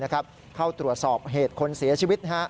เข้าตรวจสอบเหตุคนเสียชีวิต